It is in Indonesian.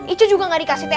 icu juga gak dikasih thr